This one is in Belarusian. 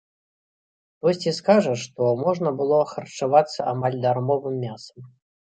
Хтосьці скажа, што можна было харчавацца амаль дармовым мясам.